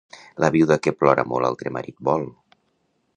La viuda que plora molt altre marit vol.